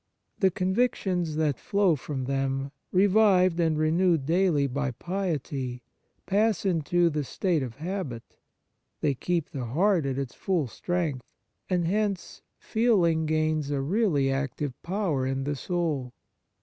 The convictions that flow from them, revived and renewed daily by piety, pass into the state of habit ; they keep the heart at its full strength, and, hence, feeling gains a really active power in the soul.